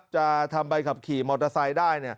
จะทำใบขับขี่มอเตอร์ไซค์ได้